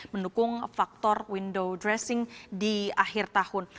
mendukung faktor window dressing di akhir tahun